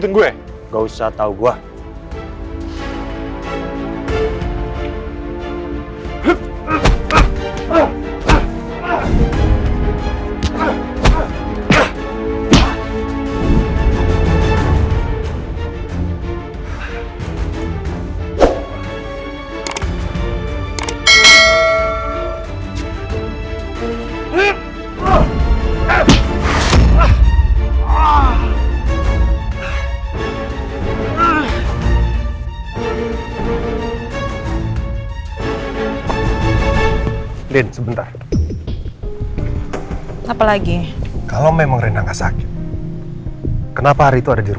jangan jalan ke depan yahmm